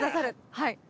はい。